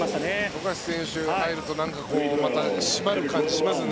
富樫選手が入るとまた締まる感じがしますね。